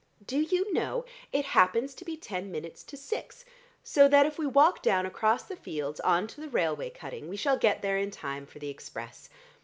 Do you know, it happens to be ten minutes to six, so that if we walk down across the fields, on to the railway cutting, we shall get there in time for the express.